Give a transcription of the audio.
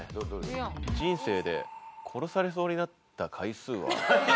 １４？人生で殺されそうになった回数は？